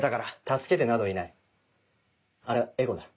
助けてなどいないあれはエゴだ。